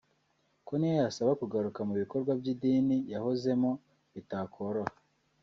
ko n’iyo yasaba kugaruka mu bikorwa by’idini yahozemo bitakoroha